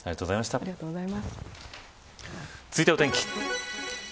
続いてはお天気です。